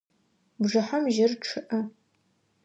Бжыхьэм жьыр чъыӏэ.